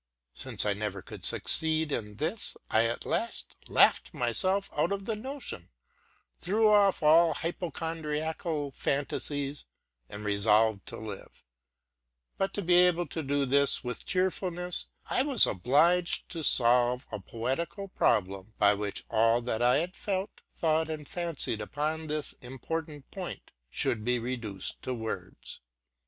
Since I never could succeed in this, I at last laughed myself out of the notion, threw off all hypochondria cal "fanci ies, and resolved to be But, to be able to do this with cheerfulness, I was obliged to solve a poetical problem, by which all that I had felt, ~ thought, and fancied upon this important point should be reduced to words.